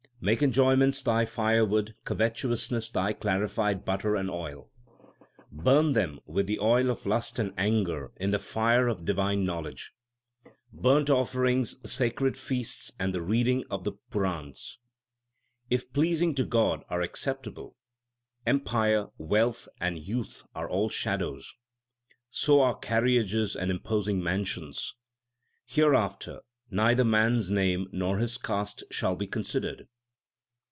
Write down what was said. Make enjoyments thy firewood, covetousness thy clarified butter and oil. Burn them with the oil of lust and anger in the fire 3 of divine knowledge. Burnt offerings, sacred feasts, and the reading of the Purans, 4 If pleasing to God, are acceptable. Empire, wealth, and youth are all shadows ; So are carriages and imposing mansions. Hereafter neither man s name nor his caste shall be considered.